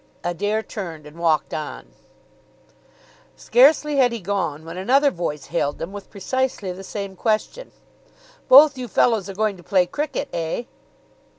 Adair turned, and walked on. Scarcely had he gone, when another voice hailed them with precisely the same question. "Both you fellows are going to play cricket, eh?"